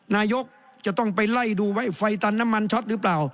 นายกจะต้องไปไล่ดูไว้ไฟตันน้ำมันช็อตหรือเปล่า